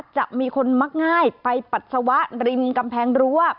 จะมีคนมักง่ายไปปัสสาวะริมกำแพงรั้ว